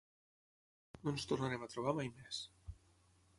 No ens tornarem a trobar mai més.